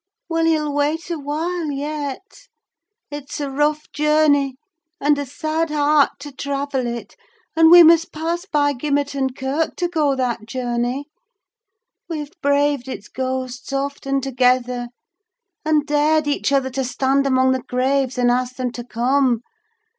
Well, he'll wait a while yet. It's a rough journey, and a sad heart to travel it; and we must pass by Gimmerton Kirk to go that journey! We've braved its ghosts often together, and dared each other to stand among the graves and ask them to come.